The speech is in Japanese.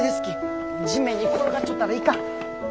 地面に転がっちょったらいかん！